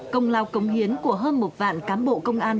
công lao cống hiến của hơn một vạn cán bộ công an